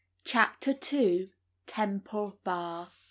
] CHAPTER II. TEMPLE BAR.